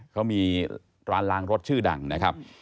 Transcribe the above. เขามีร้านล้างรถชื่อดังนะครับ